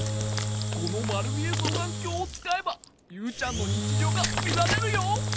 このまるみえそうがんきょうをつかえばユウちゃんのにちじょうがみられるよ。